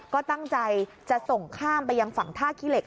ก็ตั้งใจจะส่งข้ามไปยังฝั่งท่าขี้เหล็